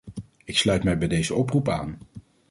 Ik sluit mij bij deze oproep aan.